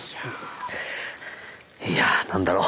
いやぁ何だろう。